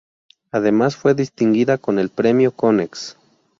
Además fue distinguida con el Premio Konex.